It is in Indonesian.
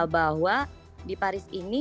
bahwa di paris ini